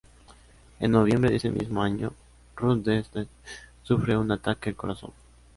En noviembre de ese mismo año, Rundstedt sufre un ataque al corazón.